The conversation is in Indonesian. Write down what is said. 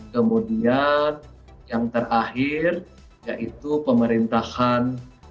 kemudian yang terakhir yaitu pemerintahan